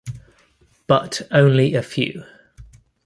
But only a few.